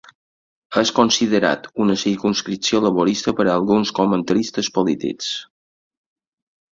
És considerat una circumscripció Laborista per alguns comentaristes polítics.